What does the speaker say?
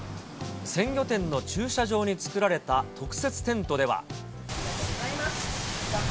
鮮魚店の駐車場に作られた特設テントでは。